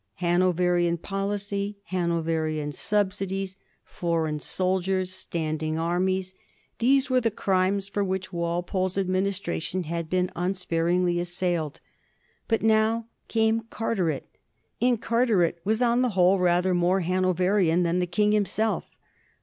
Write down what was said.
Hanoverian policy, Hanoverian subsidies, foreign soldiers, standing armies — these were the crimes for which Walpole's ad ministration had been unsparingly assailed. But now came Carteret, and Carteret was on the whole rather more Hanoverian than the King himself.